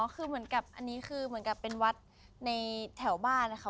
คือเหมือนกับอันนี้คือเหมือนกับเป็นวัดในแถวบ้านนะคะ